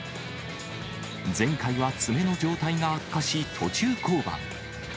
前回は爪の状態が悪化し、途中降板。